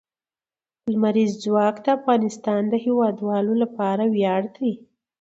لمریز ځواک د افغانستان د هیوادوالو لپاره ویاړ دی.